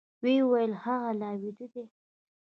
وويل هغه لا ويده دی.